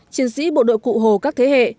chiến sĩ bộ đội cụ hồ các thế hệ